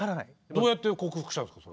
どうやって克服したんですか？